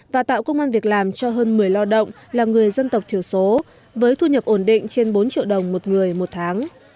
và tạo công an việc làm cho hơn một mươi lao động là người dân tộc thiểu số với thu nhập ổn định trên bốn triệu đồng một người một tháng